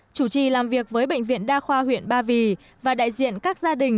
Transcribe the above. chủ trì làm việc với bệnh viện đa khoa huyện ba vì và đại diện các gia đình